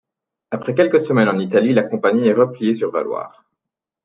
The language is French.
Après quelques semaines en Italie, la compagnie est repliée sur Valloire.